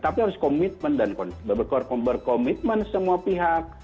tapi harus komitmen dan berkomitmen semua pihak